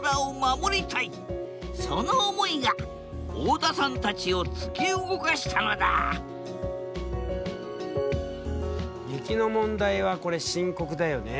その思いが太田さんたちを突き動かしたのだ雪の問題はこれ深刻だよね。